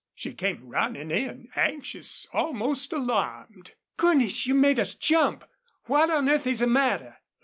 She came running in, anxious, almost alarmed. "Goodness! you made us jump! What on earth is the matter?"